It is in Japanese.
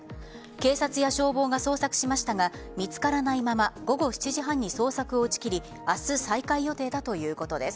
警察や消防が捜索しましたが見つからないまま午後７時半に捜索を打ち切り明日、再開予定だということです。